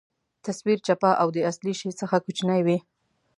تصویر چپه او د اصلي شي څخه کوچنۍ وي.